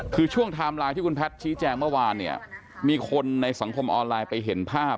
คือช่วงไทม์ไลน์ที่คุณแพทย์ชี้แจงเมื่อวานเนี่ยมีคนในสังคมออนไลน์ไปเห็นภาพ